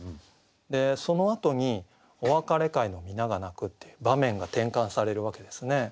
でそのあとに「お別れ会の皆が泣く」っていう場面が転換されるわけですね。